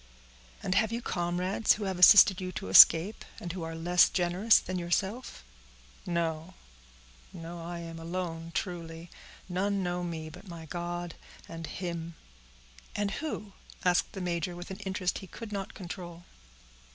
"And have you comrades, who have assisted you to escape, and who are less generous than yourself?" "No—no, I am alone truly—none know me but my God and him." "And who?" asked the major, with an interest he could not control.